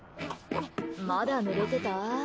まだぬれてた？